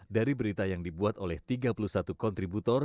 dari berita yang dibuat oleh tiga puluh satu kontributor